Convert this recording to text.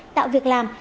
tạo việc làm